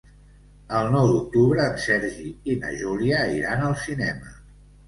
El nou d'octubre en Sergi i na Júlia iran al cinema.